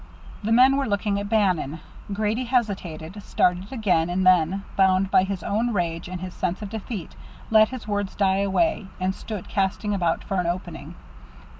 The men were looking at Bannon. Grady hesitated, started again, and then, bound by his own rage and his sense of defeat, let his words die away, and stood casting about for an opening.